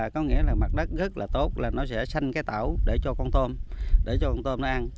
có nghĩa là mặt đất rất là tốt là nó sẽ xanh cái tẩu để cho con tôm để cho con tôm nó ăn